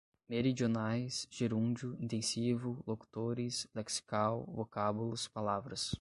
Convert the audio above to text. meridionais, gerúndio, intensivo, locutores, lexical, vocábulos, palavras